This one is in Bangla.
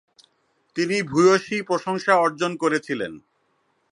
তিনি ভূয়সী প্রশংসা অর্জন করেছিলেন।